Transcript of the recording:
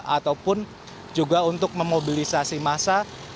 ataupun juga untuk memobilisasi massa